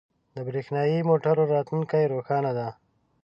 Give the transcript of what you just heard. • د برېښنايی موټرو راتلونکې روښانه ده.